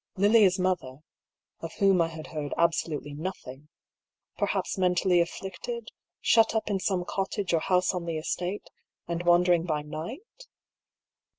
Lilia's mother — of whom I had heard absolutely nothing — perhaps mentally afflicted, shut up in some cottage or house on the estate, and wandering by night